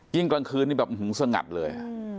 ยิ่งกลางคืนนี้ย่วงสงัตล์เลย